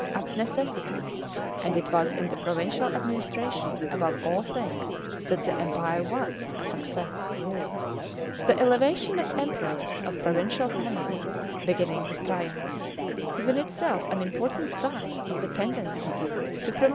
WEAK POINTS IN THE EMPIRE. 565 necessity; and it was in the provincial administration above all things i hat the Empire was a success. The elevation of Emperors of provincial family — beginning with Trajan — is in itself an im portant sign of the ten iency to |>rora«.